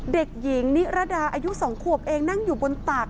เด็กหญิงนิรดาอายุ๒ขวบเองนั่งอยู่บนตัก